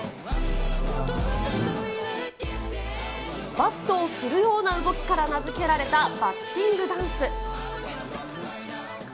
バットを振るような動きから名付けられたバッティングダンス。